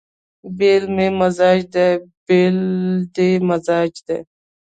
بېل مې مزاج دی بېل دې مزاج دی